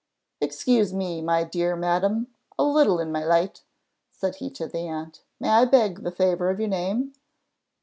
"Excuse me, my dear madam, a little in my light," said he to the aunt. "May I beg the favour of your name?"